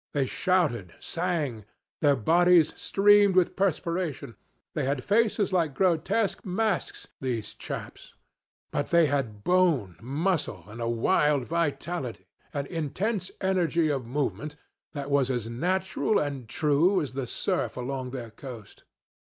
They shouted, sang; their bodies streamed with perspiration; they had faces like grotesque masks these chaps; but they had bone, muscle, a wild vitality, an intense energy of movement, that was as natural and true as the surf along their coast.